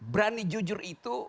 berani jujur itu